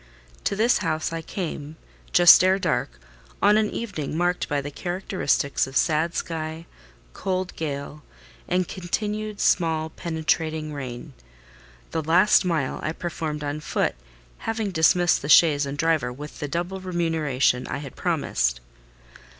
To this house I came just ere dark on an evening marked by the characteristics of sad sky, cold gale, and continued small penetrating rain. The last mile I performed on foot, having dismissed the chaise and driver with the double remuneration I had promised.